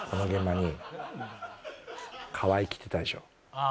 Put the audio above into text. ああ。